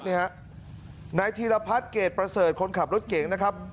นี่งะไนทีลพัฒน์เกจประเสริฐคนขับรถเก่งนะครับ